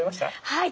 はい。